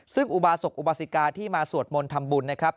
ซึ่งอุบาสกอุบาสิกาที่มาสวดมนต์ทำบุญนะครับ